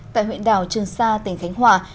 tại huyện đảo trường sa tỉnh khánh hòa